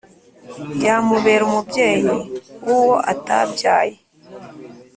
yamubera umubyeyi w uwo atabyaye